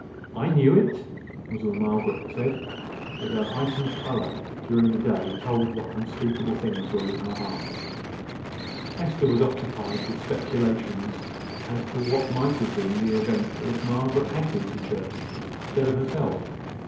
"I knew it?" was all that Margaret said; but her heightened colour during the day told what unspeakable things were in her heart. Hester was occupied with speculations as to what might have been the event if Margaret had been to church instead of herself.